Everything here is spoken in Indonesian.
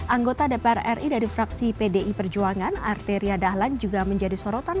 anggota dpr ri dari fraksi pdi perjuangan arteria dahlan juga menjadi sorotan